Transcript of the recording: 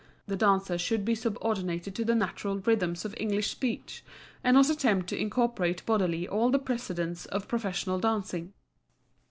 The dancer should be subordinated to the natural rhythms of English speech, and not attempt to incorporate bodily all the precedents of professional dancing.